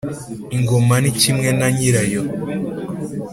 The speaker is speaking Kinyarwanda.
Ingoma ni kimwe na nyirayo